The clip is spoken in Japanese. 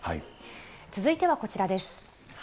続いてはこちらです。